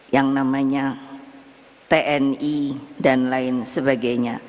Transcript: yang namanya tni dan lain sebagainya